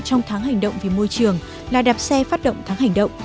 trong tháng hành động vì môi trường là đạp xe phát động tháng hành động